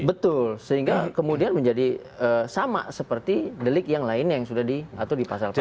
betul sehingga kemudian menjadi sama seperti delik yang lainnya yang sudah diatur di pasal pasal